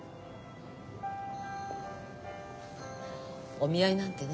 お見合いなんてね